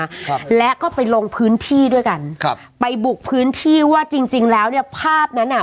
ครับและก็ไปลงพื้นที่ด้วยกันครับไปบุกพื้นที่ว่าจริงจริงแล้วเนี้ยภาพนั้นอ่ะ